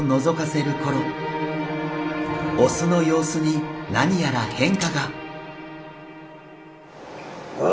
オスの様子に何やら変化が！？